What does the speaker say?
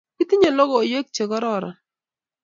Kitinyei logoiywek chegororon